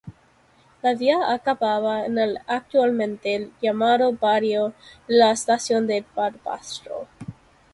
La vía acababa en el actualmente llamado barrio de la estación de Barbastro.